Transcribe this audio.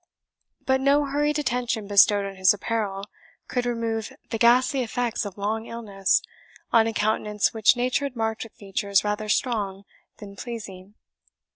But no hurried attention bestowed on his apparel could remove the ghastly effects of long illness on a countenance which nature had marked with features rather strong than pleasing.